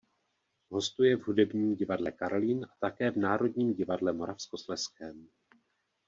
Hostuje v hudebním divadle Karlín a také v Národním divadle Moravskoslezském.